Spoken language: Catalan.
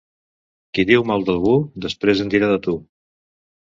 Qui diu mal d'algú, després en dirà de tu.